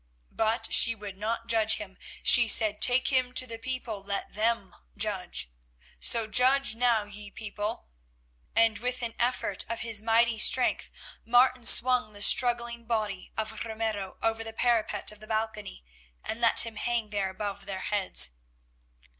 But she would not judge him; she said, 'Take him to the people, let them judge.' So judge now, ye people," and with an effort of his mighty strength Martin swung the struggling body of Ramiro over the parapet of the balcony and let him hang there above their heads.